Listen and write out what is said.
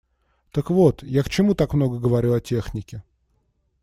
Так вот, я к чему так много говорю о технике.